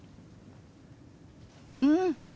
うん！